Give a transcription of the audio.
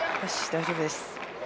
大丈夫そうです。